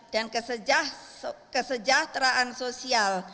dan kesejahteraan sosial